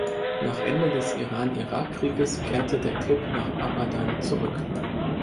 Nach Ende des Iran-Irak-Krieges kehrte der Klub nach Abadan zurück.